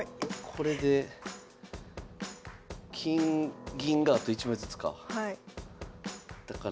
これで金銀があと１枚ずつか。